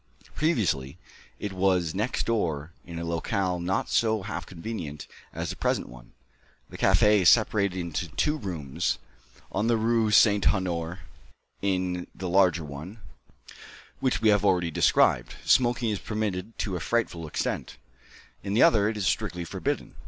Previously, it was next door, in a locale not half so convenient as the present one. The café is separated into two rooms on the Rue St. Honoré; in the larger one, which we have already described, smoking is permitted to a frightful extent; in the other, it is strictly forbidden.